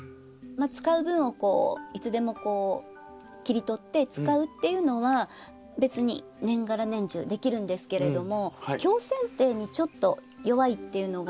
使う分をいつでもこう切り取って使うっていうのは別に年がら年中できるんですけれども強せん定にちょっと弱いっていうのが。